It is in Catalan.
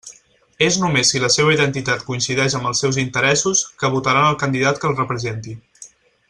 És només si la seva identitat coincideix amb els seus interessos, que votaran el candidat que els representi.